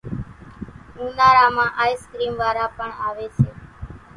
اونارا مان آئيسڪريم وارا پڻ آويَ سي۔